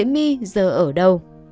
my giờ ở đâu